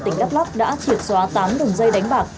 tỉnh đắk lắk đã triệt xóa tám đồng dây đánh bạc